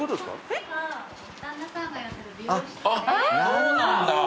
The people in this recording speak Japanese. そうなんだ。